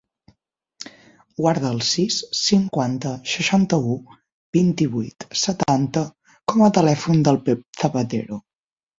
Guarda el sis, cinquanta, seixanta-u, vint-i-vuit, setanta com a telèfon del Pep Zapatero.